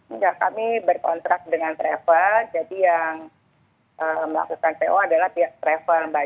enggak kami berkontrak dengan travel jadi yang melakukan po adalah pihak travel mbak